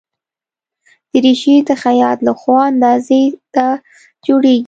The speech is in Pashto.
دریشي د خیاط له خوا اندازې ته جوړیږي.